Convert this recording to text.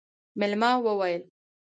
مېلمه وويل: